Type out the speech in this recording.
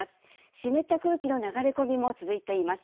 湿った空気の流れ込みも続いています。